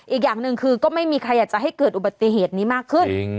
อีกอย่างหนึ่งคือก็ไม่มีใครอยากจะให้เกิดอุบัติเหตุนี้มากขึ้น